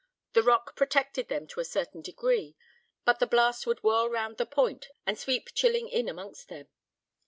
The rock protected them to a certain degree, but the blast would whirl round the point and sweep chilling in amongst them.